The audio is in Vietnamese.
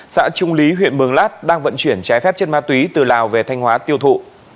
xã trung lý huyện mường lát đang vận chuyển trái phép chất ma túy từ lào về thanh hóa tiêu thụ